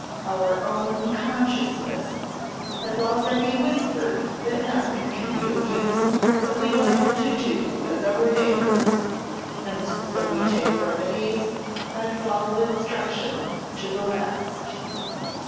Our own consciousness has already whispered that nothing can be of use; but we like to do as our neighbors, and so we take remedies and follow injunctions to the last.